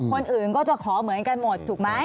คนอื่นก็จะขอเหมือนกันหมดถูกไหม